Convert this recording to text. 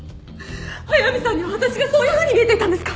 速見さんには私がそういうふうに見えていたんですか！？